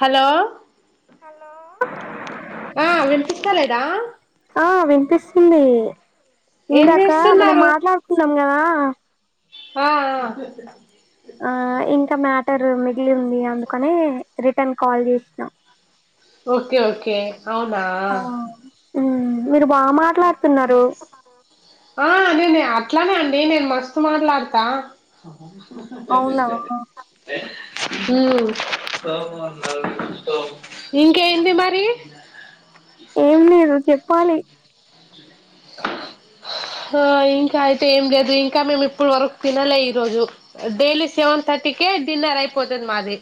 Hello hello ఆ వినిపిస్తలేదా ఆ వినిపిస్తుంది ఏం ఇందాక మనం చేస్తున్నారు మాట్లాడుతున్నాం వా ఆ ఆ ఆ ఇం మ్యాటర్ [inaudible] వెళ్ళింది అందుకనే రిటర్న్ కాల్ చేసినా ఓకే ఓకే అవునా ఆ మీరు బాగా మాట్లాడుతున్నారు అట్లనే అండి నేను మస్తు మాట్లాడతా అవునా ే ఇంకేంది మరి పొని ఆ ఇంకా అయితే ఏం లేదు ఇంకా మేము ఇప్పుడు వరకు తినలే ఈరోజు డైలీ సెవెన్ థర్టీకే డిన్నర్ అయిపోతుంది మాది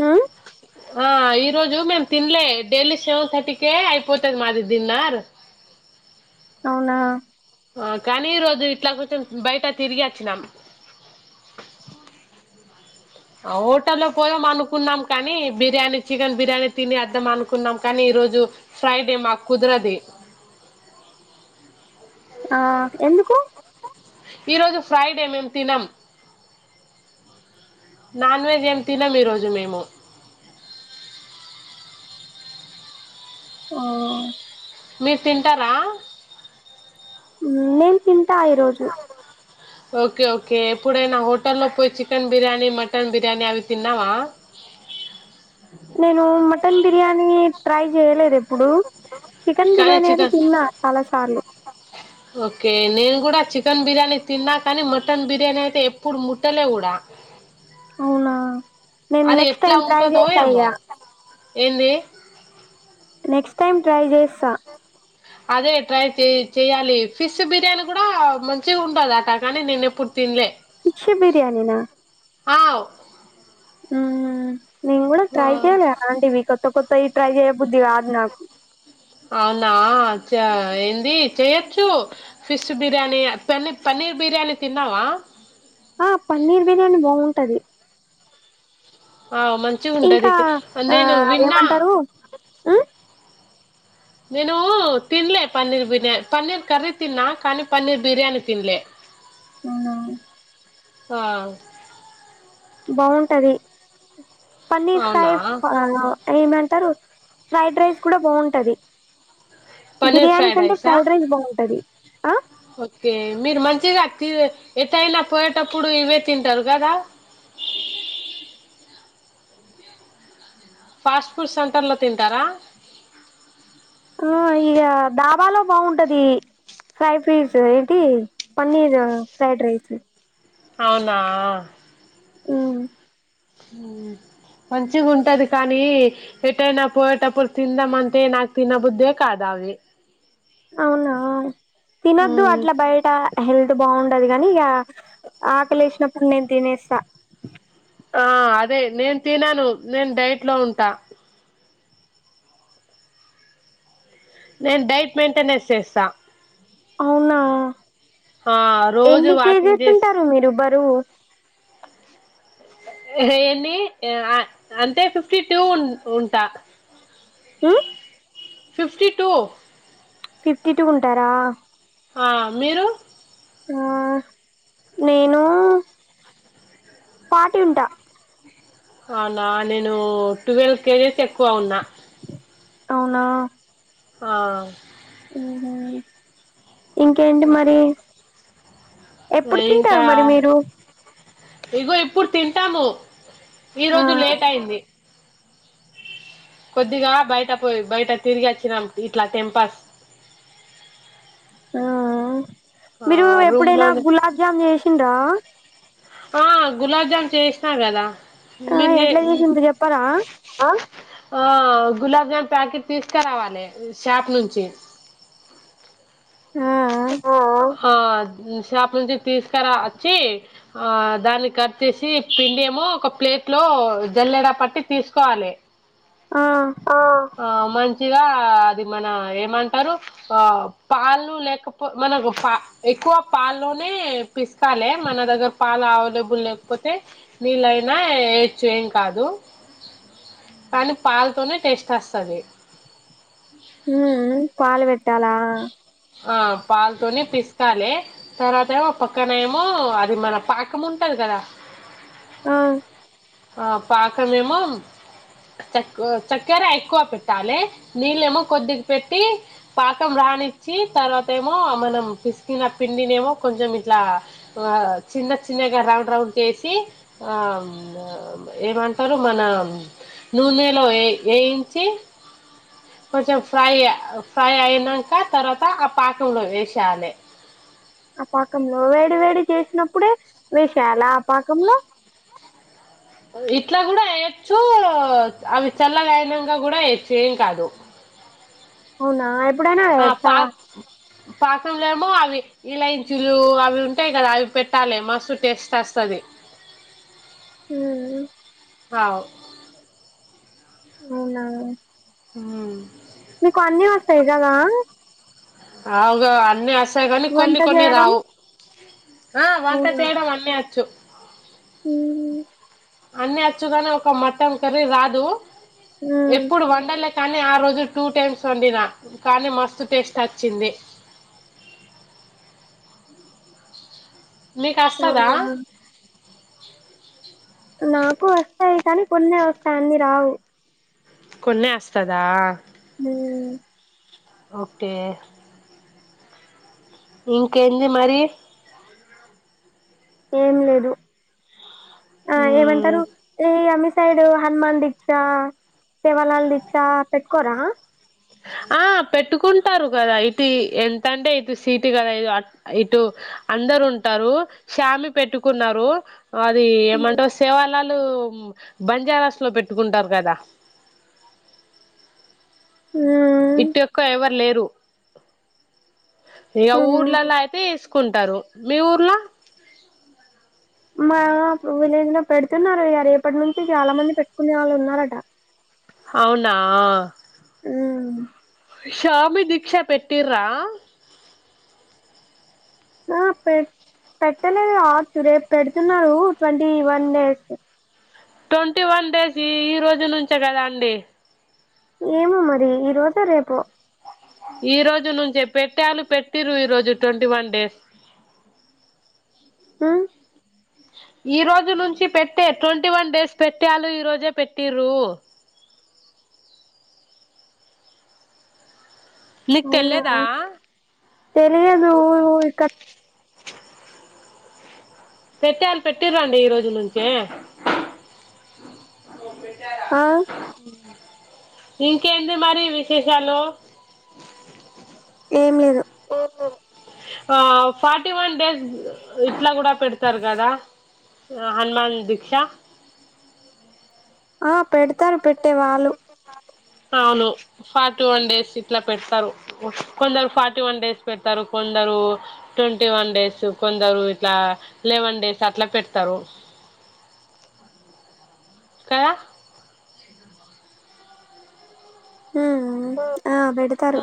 ఆ ఆ ఈ రోజు మేము తినలే డైలీ సెవెన్ థర్టీ కే అయిపోతుంది మాది డిన్నర్ అవునా ఆ కానీ ఈరోజు ఇట్లా కొంచెం బయట తిరిగేత్తున్నం హోటల్లో పోయాం అనుకున్నాం కానీ బిర్యానీ చికెన్ బిర్యానీ తిని వద్దాం అనుకున్నాం కానీ ఈరోజు ఫ్రైడే మాకు కుదరదు ఆ ఎందుకు ఈరోజు ఫ్రైడే మేము తినం నాన్ వెెజ్ ఏమి తినం ఈరోజు మేము ఆ మీరు తింటార [inaudible] తింటా ఈరోజు ఓకే ఓకే ఎప్పుడైనా హోటల్లో పోయి చికెన్ బిర్యానీ మటన్ బిర్యానీ అవి తిన్నావా నేను మటన్ బిర్యానీ ట్రై చేయలేదు ఎప్పుడు చికెన్ కానీ బిర్యానీ అయితే చికెన్ తిన్నా చాలా సార్లు ఓకే నేను కూడా చికెన్ బిర్యానీ తిన్నా కానీ మటన్ బిర్యానీ అయితే ఎప్పుడు ముట్టలే కూడా అవునా నేను అది నెక్స్ట్ ఎట్లా టైం ట్రై ఉంటాదొ చేస్తా ఇగ ఎమో ఏంది నెక్స్ట్ టైమ్ అదే ఎ ట్రై చేయ్ చెయాలి ఫిష్ బిర్యానీ కూడా మంచిగా ఉంటాద అట కానీ నేను ఎప్పుడు తినలే ఫిష్ బిర్యాని నా ఆవ్ అవున నేను కూడా ట్రై చెయ్యలే అలా అంటివి కొత్త కొత్తవి ట్రై చేయబుద్ది కాదు నాకు అవునా చా ఏంది చేయచ్చు ఫిష్ బిర్యానీ పన్ని పన్నీర్ బిర్యానీ తిన్నావా త్తది ఆ మంచిగా ఉండది ఇంకా ఆ నేను విన్నా ఏమంటారు మ్మ్ నేను తిన్లే పన్నీర్ బిర్యానీ పన్నీర్ కర్రీ తిన్నా కానీ పన్నీర్ బిర్యానీ తిన్లే అవునా ఆ బాగుంటది పన్నీర్ అవునా ఫ్రై్ ఆ ఏమంటారు ఫ్రైడ్ రైస్ కూడా బావుంటది పన్నీర్ బిర్యానీ ఫ్రైడ్ కంటే రైసా ఫ్రైడ్ రైస్ బావుంటది ఆ ఓకే మీరు మంచిగా ఎటైనా పోయేటప్పుడు ఇవే తింటారు కదా ఫాస్ట్ ఫుడ్ సెంటర్లో తింటారా ఆ ఇక డాబాలో బాగుంటది ఫ్రై పీస్ ఏంటి పన్నీర్ ఫ్రైడ్ రైస్ అవునా హ్మ్మ్ హ్మ్మ్ మంచిగా ఉంటది కానీ ఎట్టైనా పోయేటప్పుడు తిందామంటే నాకు తిన్న బుద్దే కాదు అవి అవునా తినద్దు ఉమ్, అట్లా బయట హెల్త్ బాగుంట దిగానీ ఈ ఆకలేసినప్పుడు నేను తినేస్త ఆ అదే నేను తినను నేను డైట్ లో ఉంటా నేను డైట్ మెయింటెనెన్స్ చేస్తా అవునా ఆ రోజు ఎన్ని కేజీస్ ఉంటారు మీరు బరువు ఏన్ని అంటే ఫిఫ్టీ టూ ఉ ఉంటా ఉహ్మ్మ్ ఫిఫ్టీ టూ ఫిఫ్టీ టూ ఉంటారా ఆ మీరు ఆ నేను ఫార్టీ ఉంటా అవునా నేను ట్వెల్వ్ కేజెస్ ఎక్కువ ఉన్నా అవునా ఆ అఓహ ఇంకేంటి మరి ఎప్పుడు ఇంకా తింటారు మరి మీరు ఇగో ఇప్పుడు తింటాము ఈ ఆ రోజు లేట్ అయింది కొద్దిగా బయట పోయి బయట తిరిగి వచ్చినాం ఇట్లా టెంపాస్ ఆ మీరు రూమ్ ఎప్పుడైనా లోనే గులాబ్జామున్ చేసిండ్రా ఆ గులాబ్జామ్ చేసినా కదా ఆ మీరు చే ఎట్ల వేలించిందొ చెప్పారా ఆ గులాబ్ జామున్ ప్యాకెట్ తీసుకురావాలి షాప్ నుంచి ఆ మ్మ్ ఆ షాప్ నుంచి తీసుకరా వచ్చి ఆ దాన్ని కట్ చేసి పిండి ఏమో ఒక ప్లేట్ లో జల్లెడా పట్టి తీసుకోవాలి ఆ ఆ మంచి మంచిగా అది మన ఏమంటారు ఆ పాలు లేక మనకు పా ఎక్కువ పాల్లోనే పిసకాలి మన దగ్గర పాలు అవైలబుల్ లేకపోతే నీళ్ళైనా వేయచ్చు ఏం కాదు కానీ పాలతోనే టేస్ట్ వస్తది మ్మ్ పాలు పేట్టాలా ఆ పాలుతోనే పిసకాలి తర్వాత ఏమో పక్కన ఏమో అది మన పాకం ఉంటది కదా ఆ ఆ పాకం ఏమో చ చక్కెర ఎక్కువ పెట్టాలి నీళ్ళేమో కొద్దిగా పెట్టి పాకం రాని చ్చి తర్వాత ఏమో మనం పిసికిన పిండిని ఏమో కొంచెం ఇట్లా చిన్న చిన్నగా రౌండ్ రౌండ్ చేసి ఆ ఏమంటారు మన నూనెలో వేయించి కొంచెం ఫ్రై ఫ్రై అయినాక తర్వాత ఆ పాకంలో వేసేయాలి ఆ పాకంలో వేడి వేడి చేసినప్పుడే వేసేయాల ఆ పాకంలో ఇట్లా కూడా వేయచ్చు అవి చల్లగా అయినాక కూడా వేయచ్చు ఏం కాదు అవునా ఇప్పుడనా ఆ వేయచ్చా పాక్ పాకంలేమో అవి ఇలాయించులు అవి ఉంటాయి కదా అవి పెట్టాలి మస్తు టేస్ట్ వస్తది మ్మ్ అవు అవునా మ్మ్ మీకు అన్ని వస్తాయి కదా అగా అన్ని వ స్తాయి కాని వంట కొన్ని కొన్ని చేయడం రావు ఆ వంట చేయడం అన్ని వచ్చు మ్మ్ అన్ని వచ్చుగానే ఒక మట్టన్ కర్రీ రాదు ఉమ్ ఎప్పుడు వండలే కానీ ఆ రోజు టూ టైమ్స్ వండినా కానీ మస్తు టేస్ట్ వచ్చింది మీకుస్తస్తదా అవునా నాకు వస్తాయి కానీ కొన్ని వస్తాయి అన్ని రావు కొన్ని వస్తదా ఉమ్ ఒకే ఇంకేంది మరి ఏం లేదు ఆ మ్మ్ ఏమంటారు ఏ అ సైడు హనుమాన్ దీక్ష సేవాలల్ దీక్ష పెట్టుకోరా ఆ పెట్టుకుంటారు కదా ఇటు ఎంతంటే ఇటు సీటు కదా ఇ ఇటు అందరు ఉంటారు శ్యామీ పెట్టుకున్నారు అది ఉమ్ ఏమంటారు సేవ వాళు బంజారాస్ లో పెట్టుకుంటారు కదా ఉమ్ ఇట్ ఒక్క ఎవరు లేరు ఇగ ఉమ్. ఊర్లలా అయితే ఏస్ కుంటారు మీ ఊర్ల మా విలేజ్ లో పెడుతున్నారు ఇగ రేపటి నుంచి, చాలా మంది పెట్టుకునే వాళ్ళు ఉన్నారట. అవునా మ్మ్ శామి దీక్ష పెట్టిర్ర ఆ పె పెట్టలేదు కావచ్చు రేపు పెడుతున్నారు twenty one days twenty one days ఈ రోజు నుంచే కదా అండి ఏమో మరి ఈ రోజో రేపో ఈ రోజు నుంచే పెట్టాళ్ళు, పెట్టిరృ ఈ రోజు ట్వంటీ వన్ డేస్. మ్మ్ ఈ రోజు నుంచి పెట్టే ట్వంటీ వన్ డేస్ పెట్టాలు ఈ రోజే పెట్టిర్రు నీక్ తెల్ లేదా తెలియదూ ఇక పెట్టాళ్ పెట్టిరండి ఈ రోజు నుంచే ఆ ఇంకేంటి మరి విశేషాలు ఏం లేదు హా ఫార్టీ వన్ డేస్ ఇట్లా కూడా పెడతారు కదా హనుమాన్ దీక్ష. ఆ ప్ పెడతారు పెట్టేవాళ్ళు అవును ఫార్టీ వన్ డేస్ ఇట్లా పెడతారు కొందరు ఫార్టీ వన్ డేస్ పెడతారు కొందరు ట్వంటీ వన్ డేస్ కొందరు ఇట్లా లెవెన్ డేస్ అట్లా పెడతారు క హ ఆ పెడతారు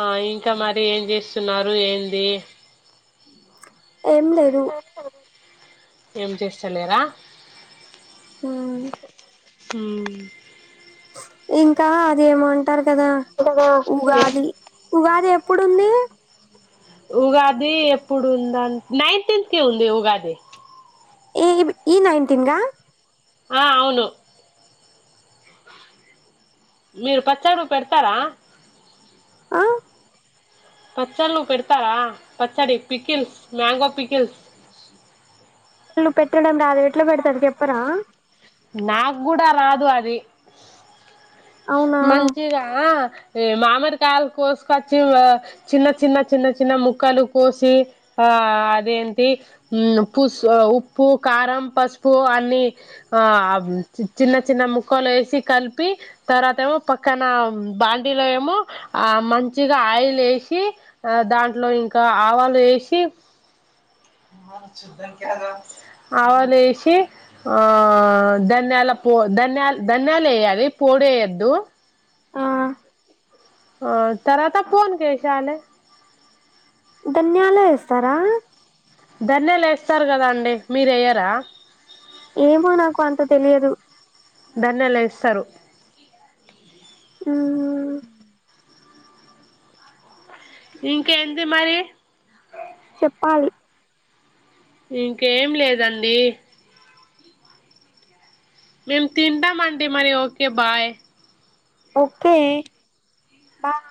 ఆ ఇంకా మరి ఏం చేస్తున్నారు ఏంది ఏం లేదు ఓహో ఏం చేస్తలేరా ఆ అ ఇంకా అదేమంట పంటారు కదా ఉఊగాది ఉగాది ఎప్పుడుంది ఉగాది ఎప్పుడుంద నైన్టీన్త్ కి ఉంది ఉగాది ఏ ఈ నైన్టీన్గా ఆ అవును మీరు పచ్చరు పెడతారా ఆ పచ్చళ్ళు పెడతారా పచ్చడి పికిల్స్ మ్యాంగో పికిల్స్ పెట్టడం రాదు ఎట్లా పెడతారు చెప్పరా నాకు కూడా రాదు అది అవునా మజరా మామిరికాయలు కోసుకొచ్చి చిన్న చిన్న చిన్న చిన్న ముక్కలు కోసి ఆ అదేంటి పుసు ఉప్పు కారం పసుపు అన్ని ఆ చిన్న చిన్న ముక్కలు వేసి కలిపి తర్వాత ఏమో పక్కన బాండీలో ఏమో ఆ మంచిగా ఆయిల్ వేసి ఆ దాంట్లో ఇంకా ఆవాలు వేసి ఆవాలు వేసి ఆ ధన్యాల ప ధన్యాలు ధన్యాలు వేయాలి తోడేయద్దు ఆ ఆ తరవాత ఫోన్ చేశాలే ధన్యాలు ఏస్తారా ధన్యాలేస్తారు కదండి మీరెయ్యరా ఏమో నాకు అంత తెలియదు ధన్యాలు ఏస్తారు ఉమ్మ్మ్ ఇంకా ఏంది మరి చెప్పాలి ఇంకేం లేదండి మేము తింటామండి మరి ఓకే బాయ్ ఓకే బా [inaudible]